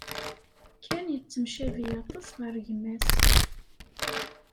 Ken yettemcabi aṭas ɣer gma-s.